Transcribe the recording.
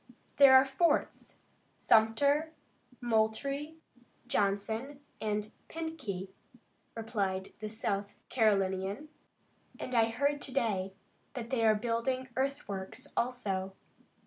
"There are the forts Sumter, Moultrie, Johnson and Pinckney," replied the South Carolinian, "and I heard to day that they are building earthworks, also.